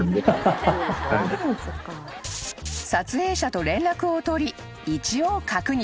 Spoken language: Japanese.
［撮影者と連絡を取り一応確認］